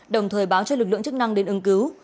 đồng thời báo cho lực lượng chức năng đến ứng cứu